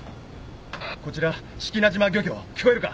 こちら志木那島漁協聞こえるか？